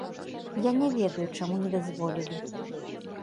Я не ведаю, чаму не дазволілі.